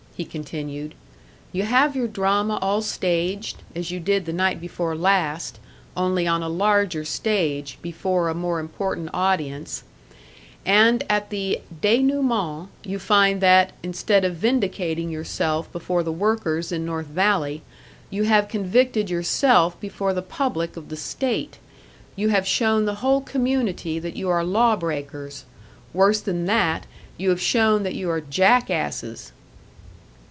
he continued. "You have your drama all staged as you did the night before last only on a larger stage, before a more important audience; and at the dénouement you find that, instead of vindicating yourself before the workers in North Valley, you have convicted yourself before the public of the state. You have shown the whole community that you are law breakers; worse than that you have shown that you are jack asses!"